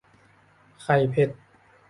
ไข่เผ็ด